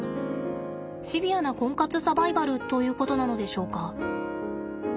シビアな婚活サバイバルということなのでしょうか。